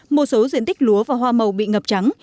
một số diện tích lúa và hoa màu bị ngập trắng